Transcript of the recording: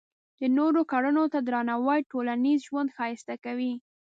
د نورو کړنو ته درناوی ټولنیز ژوند ښایسته کوي.